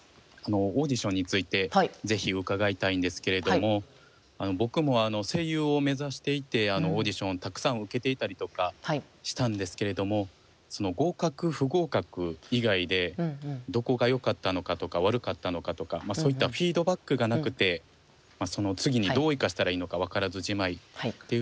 オーディションについてぜひ伺いたいんですけれども僕も声優を目指していてオーディションをたくさん受けていたりとかしたんですけれども合格不合格以外でどこがよかったのかとか悪かったのかとかそういったフィードバックがなくてその次にどう生かしたらいいのか分からずじまいっていうところがちょっと悩みで。